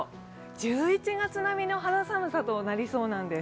１１月並みの肌寒さとなりそうなんです。